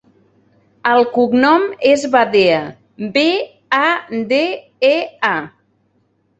El cognom és Badea: be, a, de, e, a.